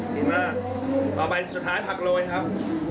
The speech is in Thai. โอเคมามาพี่มือกล้องเกิดมิดครับ